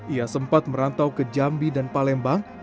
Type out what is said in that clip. ia sempat merantau ke jambi dan palembang